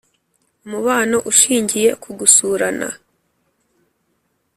umubano ushingiye ku gusurana